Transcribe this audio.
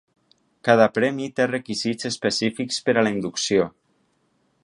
Cada premi té requisits específics per a la inducció.